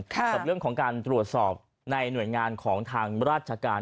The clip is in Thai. กับเรื่องของการตรวจสอบในหน่วยงานของทางราชการ